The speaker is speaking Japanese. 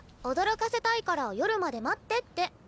「驚かせたいから夜まで待って」って。